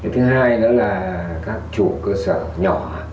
thứ hai nữa là các chủ cơ sở nhỏ